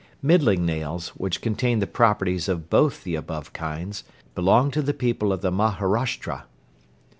Middling nails, which contain the properties of both the above kinds, belong to the people of the Maharashtra.